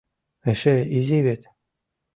— Эше изи вет.